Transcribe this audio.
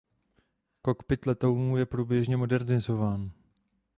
Kokpit letounů je průběžně modernizován.